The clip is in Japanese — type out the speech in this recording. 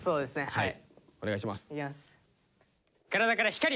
はい。